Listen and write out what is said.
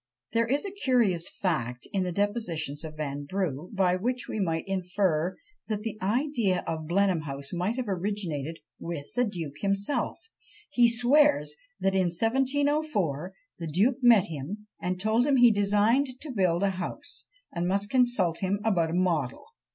There is a curious fact in the depositions of Vanbrugh, by which we might infer that the idea of Blenheim House might have originated with the duke himself; he swears that "in 1704, the duke met him, and told him he designed to build a house, and must consult him about a model, &c.